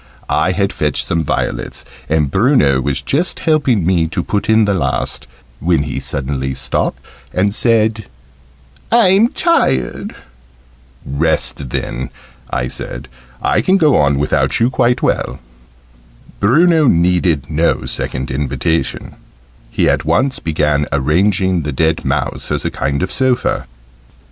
I had fetched some violets, and Bruno was just helping me to put in the last, when he suddenly stopped and said "I'm tired." "Rest then," I said: "I can go on without you, quite well." Bruno needed no second invitation: he at once began arranging the dead mouse as a kind of sofa.